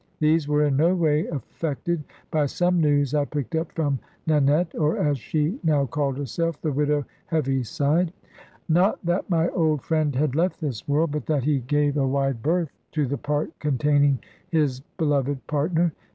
These were in no way affected by some news I picked up from Nanette, or, as she now called herself, "The widow Heaviside." Not that my old friend had left this world, but that he gave a wide berth to the part containing his beloved partner.